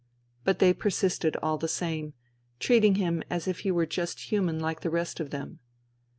But they persisted all the same, treating him as if he were just human Hke the rest of them.